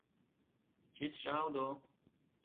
Ĝis ĵaŭdo!